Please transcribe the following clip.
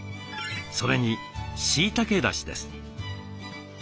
それにしいたけだしです。